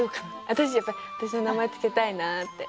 私やっぱり私の名前付けたいなって。